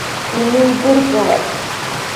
Инеидыркылап.